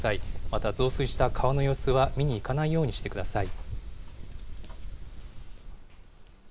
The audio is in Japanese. また増水した川の様子は見に行かないようにしてください。